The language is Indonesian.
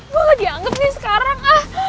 gue gak dianggap nih sekarang